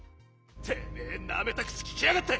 てめえなめた口ききやがって！